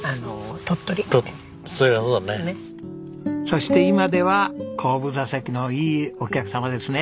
そして今では後部座席のいいお客様ですね